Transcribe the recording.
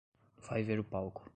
Vai ver o palco